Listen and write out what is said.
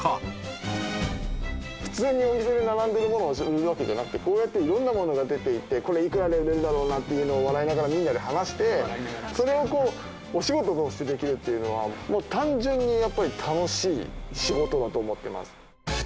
普通にお店に並んでるものを売るわけじゃなくてこうやって色んなものが出ていてこれいくらで売れるだろうなっていうのを笑いながらみんなで話してそれをこうお仕事としてできるっていうのは単純にやっぱり楽しい仕事だと思ってます。